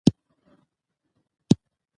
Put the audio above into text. ادب د فکري انقلاب بنیاد دی.